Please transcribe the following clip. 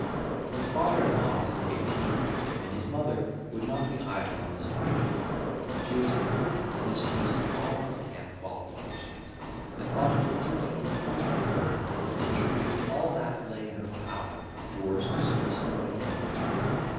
His father in law was engaged, and his mother would not be idle on this occasion. She was a perfect mistress of all the camp qualifications, and thought it a duty incumbent on her to contribute all that lay in her power towards distressing the enemy.